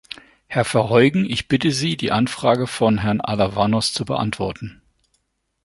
Herr Verheugen, ich bitte Sie, die Anfrage von Herrn Alavanos zu beantworten.